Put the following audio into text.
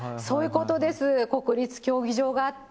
国立競技場があって。